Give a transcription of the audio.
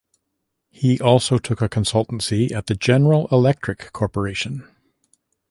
He also took a consultancy at the General Electric Corporation.